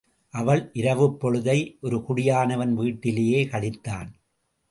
அவன் இரவுப்பொழுதை ஒரு குடியானவன் விட்டிலேயே கழித்தான்.